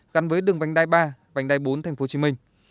gắn với đường vành đai ba vành đai bốn tp hcm